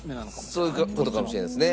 そういう事かもしれないですね。